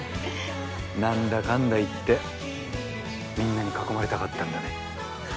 なんだかんだ言ってみんなに囲まれたかったんだね。